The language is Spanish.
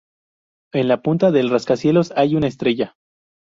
En la punta del rascacielos hay una estrella.